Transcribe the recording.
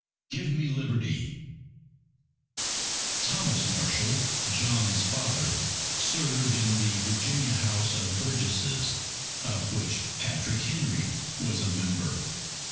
Give Me Liberty! Thomas Marshall, John's father, served in the Virginia House of Burgesses of which Patrick Henry was a member.